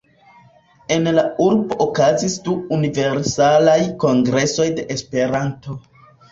En la urbo okazis du Universalaj Kongresoj de Esperanto.